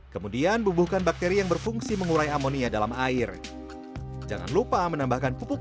kemudian bubuhkan bakteri yang berfungsi mengurai amonia dalam air jangan lupa menambahkan pupuk